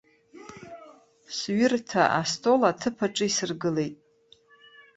Сҩырҭа астол аҭыԥ аҿы исыргылеит.